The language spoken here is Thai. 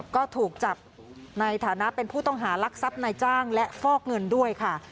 ก็ถูกจับในฐานะเป็นผู้ต้องหารักทรัพย์นายจ้างและฟอกเงินด้วยค่ะ